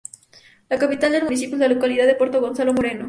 La capital del municipio es la localidad de Puerto Gonzalo Moreno.